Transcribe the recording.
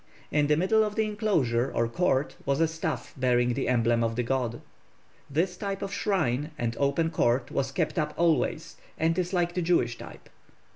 In the middle of the enclosure or court was a staff bearing the emblem of the god. This type of shrine and open court was kept up always, and is like the Jewish type.